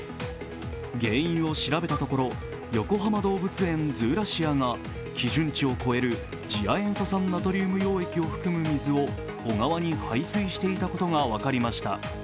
原因を調べたところよこはま動物園ズーラシアが基準値を超える次亜塩素酸ナトリウム溶液を含む水を小川に排水していたことが分かりました。